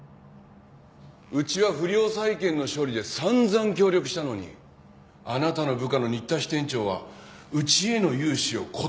うちは不良債権の処理で散々協力したのにあなたの部下の新田支店長はうちへの融資を断るとおっしゃる。